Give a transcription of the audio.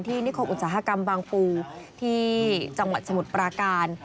นิคมอุตสาหกรรมบางปูที่จังหวัดสมุทรปราการ